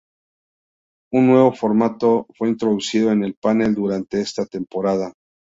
Un nuevo formato fue introducido en el panel durante esta temporada.